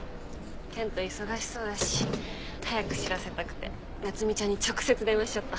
健人忙しそうだし早く知らせたくて夏海ちゃんに直接電話しちゃった。